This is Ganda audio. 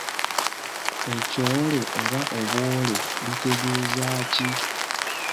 Ekyole oba obwole bitegeeza ki?